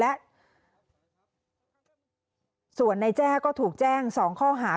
มึงอยากให้ผู้ห่างติดคุกหรอ